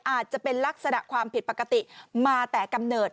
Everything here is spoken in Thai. อาจจะเป็นลักษณะความผิดปกติมาแต่กำเนิด